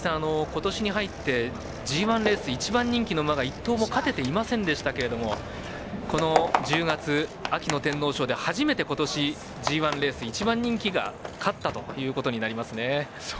今年に入ってＧＩレース、１番人気の馬が１頭も勝てていませんでしたけどもこの１０月、秋の天皇賞で初めて今年ＧＩレース１番人気が勝ったということになりますね。